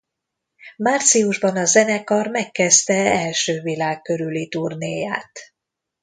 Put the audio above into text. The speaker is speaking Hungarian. Márciusban a zenekar megkezdte első világ körüli turnéját.